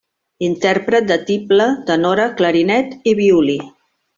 Intèrpret de tible, tenora, clarinet i violí.